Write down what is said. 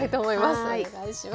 はいお願いします。